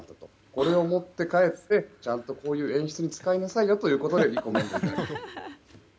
これを持って帰ってちゃんとこういう演出に使いなさいよということでリコメンドいただきました。